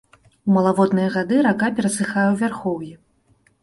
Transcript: У малаводныя гады рака перасыхае ў вярхоўі.